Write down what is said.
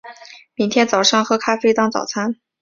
明天早上喝咖啡当早餐